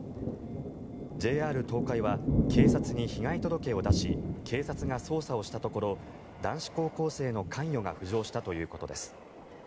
ＪＲ東海は警察に被害届を出し警察が捜査をしたところ男子高校生の関与が浮上したということです。